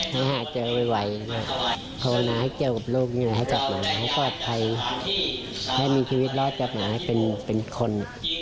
หากเจอไวขอวนะให้เจอกับโลกนี้ให้จับหมดให้ปลอดภัยให้มีชีวิตรอดกับหมายเป็นคน